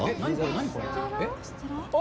何これ？